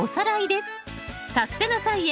「さすてな菜園」